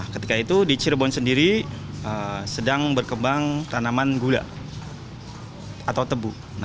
ketika itu di cirebon sendiri sedang berkembang tanaman gula atau tebu